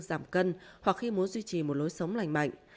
giảm cân hoặc khi muốn duy trì một lối sống lành mạnh